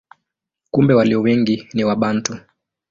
Kumbe walio wengi ni Wabantu.